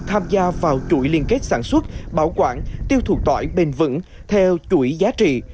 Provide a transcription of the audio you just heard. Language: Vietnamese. tham gia vào chuỗi liên kết sản xuất bảo quản tiêu thụ tỏi bền vững theo chuỗi giá trị